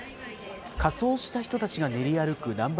仮装した人たちが練り歩く南蛮